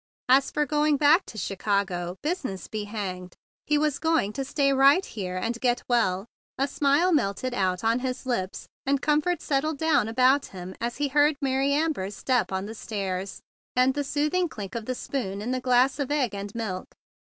As for going back to Chicago, business be hanged! He was going to stay right here and get well. A smile melted out on his lips, and comfort settled down about him as he heard Mary Amber's step on the stairs and the soothing clink of the spoon in the glass of egg and milk.